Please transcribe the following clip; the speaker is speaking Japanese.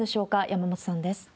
山本さんです。